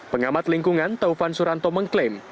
pengamat lingkungan taufan suranto mengklaim